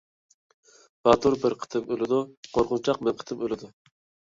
باتۇر بىر قېتىم ئۆلىدۇ، قورقۇنچاق مىڭ قېتىم ئۆلىدۇ.